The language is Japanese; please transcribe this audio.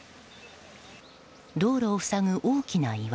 道路を塞ぐ大きな岩。